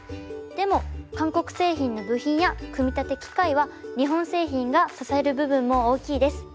でも韓国製品の部品や組み立て機械は日本製品が支える部分も大きいです。